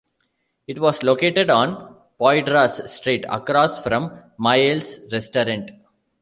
It was located on Poydras Street across from Maylie's Restaurant.